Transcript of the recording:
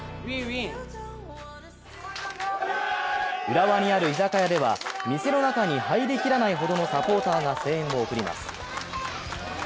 浦和にある居酒屋では店の中に入りきらないほどのサポーターが声援を送ります。